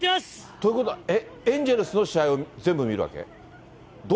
ということは、エンジェルスの試合を全部見るわけ？